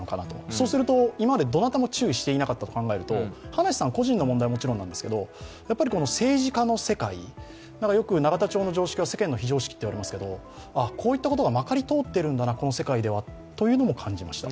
そうすると、今までどなたも注意していなかったと考えると、葉梨さん個人の問題はもちろんなんですけど、政治家の世界よく永田町の常識は世間の非常識と言いますけれども、こういったことがまかり通っているんだな、この世界ではとも感じました。